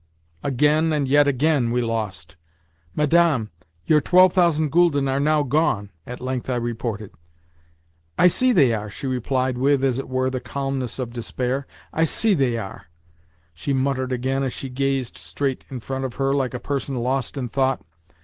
Again, and yet again, we lost. "Madame, your twelve thousand gülden are now gone," at length I reported. "I see they are," she replied with, as it were, the calmness of despair. "I see they are," she muttered again as she gazed straight in front of her, like a person lost in thought.